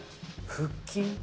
腹筋？